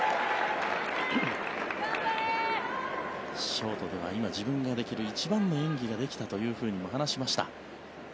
ショートでは今、自分ができる一番の演技ができたというふうに話しました。